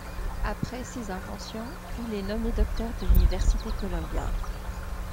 Après ses inventions, il est nommé docteur de l'université Columbia.